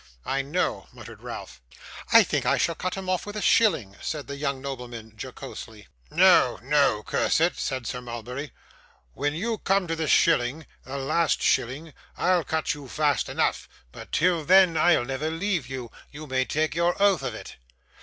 'I know,' muttered Ralph. 'I think I shall cut him off with a shilling,' said the young nobleman, jocosely. 'No, no, curse it,' said Sir Mulberry. 'When you come to the shilling the last shilling I'll cut you fast enough; but till then, I'll never leave you you may take your oath of it.